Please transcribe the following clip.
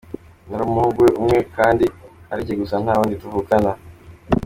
Nari umuhungu we umwe kandi arijye gusa nta wundi tuvukana.